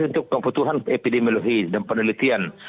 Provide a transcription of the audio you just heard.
untuk kebutuhan epidemiologi dan penelitian